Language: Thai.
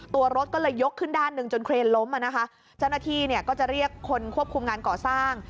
ตัวรถก็เลยยกขึ้นด้านหนึ่งจนเครนล้มอ่ะนะคะเจ้าหน้าที่เนี่ยก็จะเรียกคนควบคุมงานก่อสร้าง